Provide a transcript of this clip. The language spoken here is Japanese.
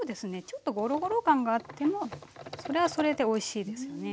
ちょっとゴロゴロ感があってもそれはそれでおいしいですよね。